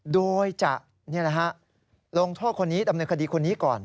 โดยจะลงโทษคนนี้ดำเนินคดีคนนี้ก่อน